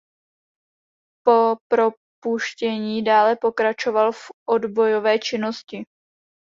Po propuštění dále pokračoval v odbojové činnosti.